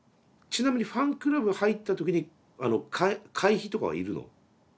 ちなみにファンクラブ入った時に会費とかは要るの？